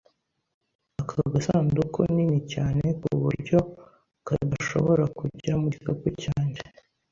Aka gasanduku nini cyane kuburyo kadashobora kujya mu gikapu cyanjye.